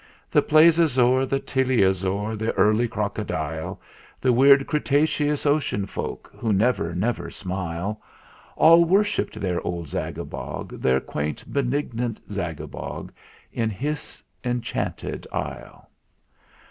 The Plesiosaur, the Teleosaur, the Early Croco dile, The weird Cretaceous ocean folk, who never, never smile All worshipped their old Zagabog, Their quaint benignant Zagabog, In his enchanted Isle.